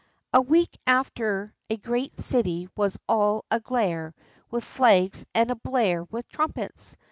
A week after a great city was all aglare with flags, and ablare with trumpets.